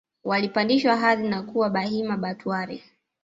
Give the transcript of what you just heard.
walipandishwa hadhi na kuwa Bahima Batware